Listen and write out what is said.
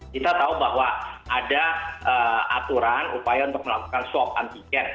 kita tahu bahwa ada aturan upaya untuk melakukan swab antigen